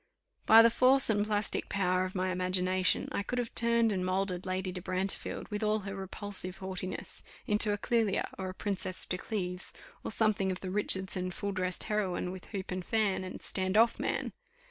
By the force and plastic power of my imagination, I could have turned and moulded Lady de Brantefield, with all her repulsive haughtiness, into a Clelia, or a Princess de Cleves, or something of the Richardson full dressed heroine, with hoop and fan, and stand off, man!